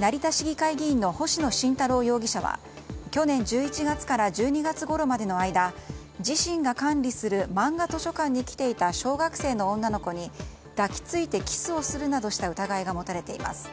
成田市議会議員の星野慎太郎容疑者は去年１１月から１２月ごろまでの間自身が管理するまんが図書館に来ていた小学生の女の子に抱き付いてキスをするなどした疑いが持たれています。